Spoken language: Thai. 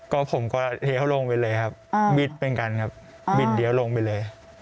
ก็ผมก็เลี้ยวลงไปเลยครับมิดเป็นกันครับบินเลี้ยวลงไปเลย